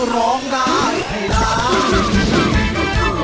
ร้องได้ให้ร้าน